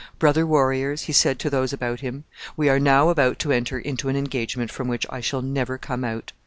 'Brother warriors,' he said to those about him, 'we are now about to enter into an engagement from which I shall never come out.